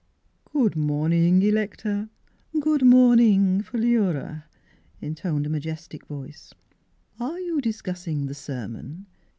" Good morning, Electa ; good morning, Philura," intoned a majestic voice. " Are you discussing the sermon?